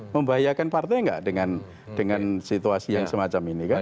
membahayakan partai nggak dengan situasi yang semacam ini kan